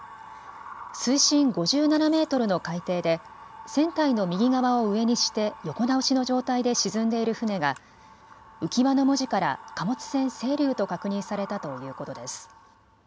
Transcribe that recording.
水深５７メートルの海底で船体の右側を上にして横倒しの状態で沈んでいる船が浮き輪の文字から貨物船せいりゅうと確認されたということです。